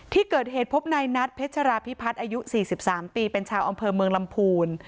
ที่เกิดเหตุพบนายนัทเพชราพิพัฒน์อายุ๔๓ปีเป็นชาวอำเภอเมืองลำพูน